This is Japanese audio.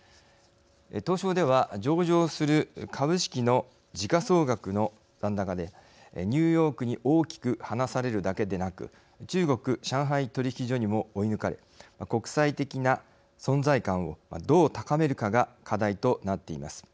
東証では上場する株式の時価総額の残高でニューヨークに大きく離されるだけでなく中国、上海取引所にも追い抜かれ国際的な存在感をどう高めるかが課題となっています。